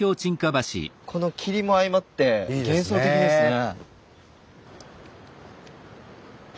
この霧も相まって幻想的ですね。